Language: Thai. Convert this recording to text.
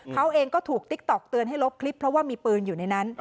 เขาเองก็ถูกติ๊กต๊อกเตือนให้ลบคลิปเพราะว่ามีปืนอยู่ในนั้น